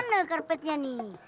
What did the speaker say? mana karpetnya nih